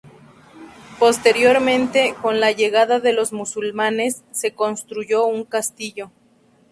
Posteriormente, con la llegada de los musulmanes, se construyó un castillo.